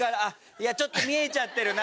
いやちょっと見えちゃってるな。